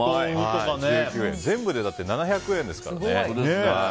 全部で７００円ですからね。